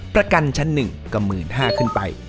ประกันชั้น๑ก็๑๕๐๐ขึ้นไป